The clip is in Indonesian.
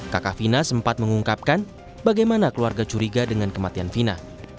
kakak vina sempat mengungkapkan bagaimana keluarga curiga dengan kematian vina